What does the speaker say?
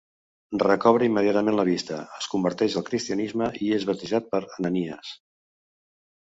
Recobra immediatament la vista, es converteix al cristianisme i és batejat per Ananies.